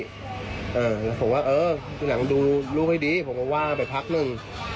ผมก็ว่าอยากดูลูกให้ดีผมก็ว่าไปพักนึง